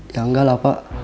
ya enggak lah pak